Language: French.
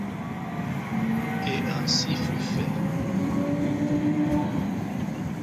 Et ainsi fut fait.